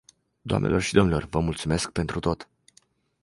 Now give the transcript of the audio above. Doamnelor și domnilor, vă mulțumesc pentru tot.